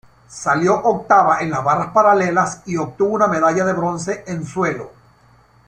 Salió octava en las barras paralelas, y obtuvo una medalla de bronce en suelo.